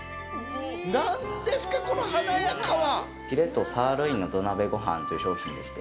何ですか、この華やかな。